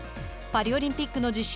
パリオリンピックの実施